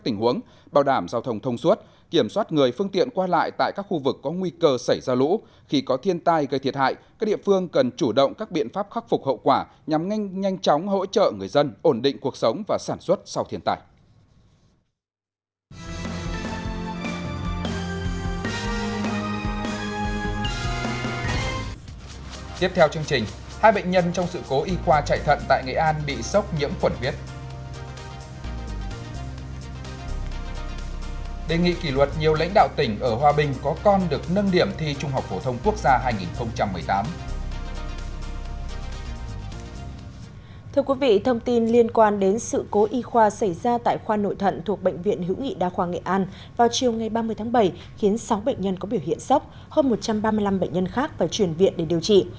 thưa quý vị thông tin liên quan đến sự cố y khoa xảy ra tại khoa nội thận thuộc bệnh viện hữu nghị đa khoa nghệ an vào chiều ngày ba mươi tháng bảy khiến sáu bệnh nhân có biểu hiện sốc hơn một trăm ba mươi năm bệnh nhân khác phải chuyển viện để điều trị